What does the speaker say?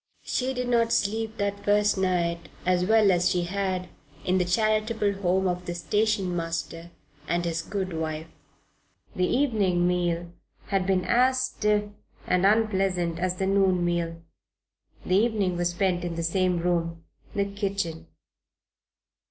She did not sleep that first night as well as she had in the charitable home of the station master and his good wife. The evening meal had been as stiff and unpleasant as the noon meal. The evening was spent in the same room the kitchen.